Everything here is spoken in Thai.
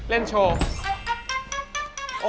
เล่นโชว์